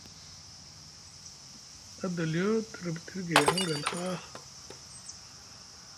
Adoliyo te riɓtiɗi gay hangal haa.